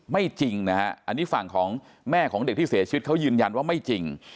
จริงนะฮะอันนี้ฝั่งของแม่ของเด็กที่เสียชีวิตเขายืนยันว่าไม่จริง